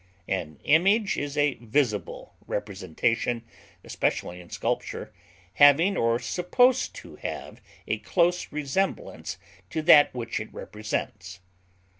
An image is a visible representation, especially in sculpture, having or supposed to have a close resemblance to that which it represents.